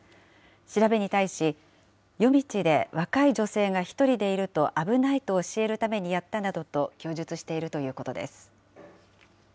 調べに対し、夜道で若い女性が１人でいると危ないと教えるためにやったなどと供述しているということです。